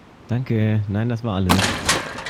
Danke, nein das war alles.